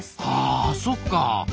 あそっか。